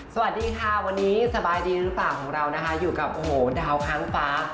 สวัสดีค่ะวันนี้สบายดีหรือเปล่าของเรานะคะอยู่กับโอ้โหดาวค้างฟ้า